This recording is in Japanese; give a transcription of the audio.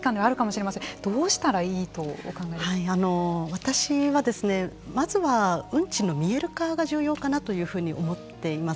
私はまずは運賃の見える化が重要かなというふうに思っています。